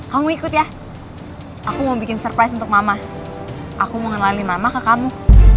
kamu ikut ya aku mau bikin surprise untuk mama aku mengenalin mama ke kamu